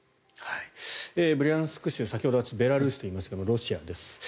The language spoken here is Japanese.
ブリャンスク州先ほど、ベラルーシと言いましたがロシアです。